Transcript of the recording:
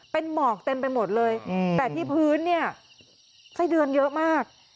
เป็นหมอกเต็มไปหมดเลยแต่ที่พื้นเนี่ยไส้เดือนเยอะมาก